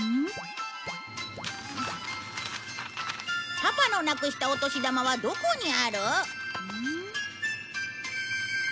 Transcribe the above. パパのなくしたお年玉はどこにある？